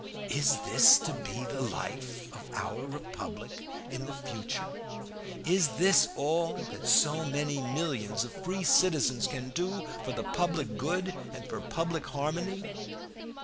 Is this to be the life of our Republic in future? Is this all that so many millions of free citizens can do for the public good and for public harmony?